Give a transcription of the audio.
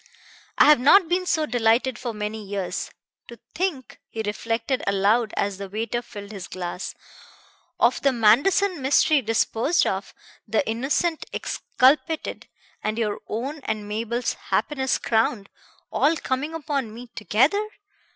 I have not been so delighted for many years. To think," he reflected aloud as the waiter filled his glass, "of the Manderson mystery disposed of, the innocent exculpated, and your own and Mabel's happiness crowned all coming upon me together!